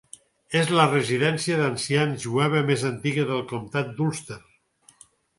És la residència d'ancians jueva més antiga del comtat d'Ulster.